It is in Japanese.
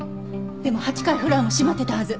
でも８階フロアも閉まっていたはず。